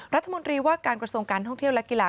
รัฐมนตรีว่าการกระทรวงการท่องเที่ยวและกีฬา